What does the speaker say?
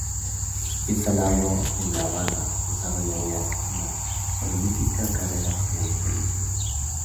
Instalado en La Habana, desarrollaría una prolífica carrera como editor y librero.